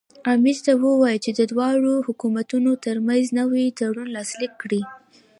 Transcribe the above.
امیر ته ووایي چې د دواړو حکومتونو ترمنځ نوی تړون لاسلیک کړي.